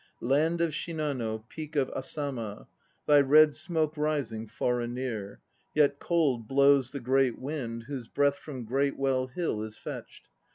Land of Shinano, Peak of Asama, Thy red smoke rising far and near! Yet cold Blows the great wind whose breath From Greatwell Hill is fetched.